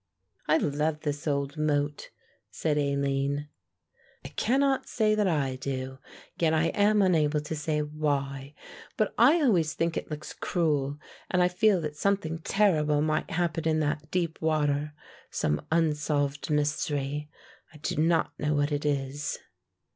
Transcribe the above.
"I love this old moat," said Aline. "I cannot say that I do; yet I am unable to say why, but I always think it looks cruel and I feel that something terrible might happen in that deep water, some unsolved mystery, I do not know what it is."